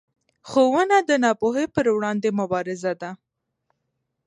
ښوونه د ناپوهۍ پر وړاندې مبارزه ده